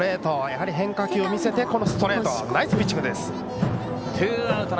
やはり変化球を見せてからストレート。